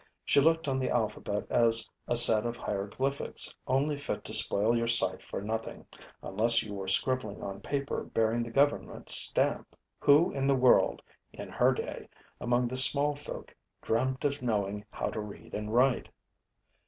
She looked on the alphabet as a set of hieroglyphics only fit to spoil your sight for nothing, unless you were scribbling on paper bearing the government stamp. Who in the world, in her day, among the small folk, dreamt of knowing how to read and write?